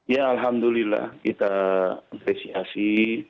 ya alhamdulillah kita apresiasi